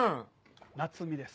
夏珠です。